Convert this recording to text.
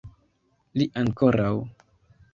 Li ankoraŭ!